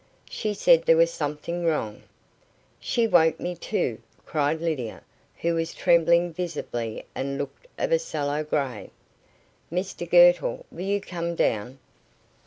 "She said there was something wrong." "She woke me, too," cried Lydia, who was trembling visibly, and looked of a sallow grey. "Mr Girtle, will you come down?"